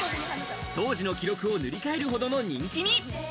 当時の記録を塗り替えるほどの人気に。